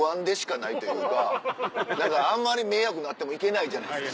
あんまり迷惑になってもいけないじゃないですか。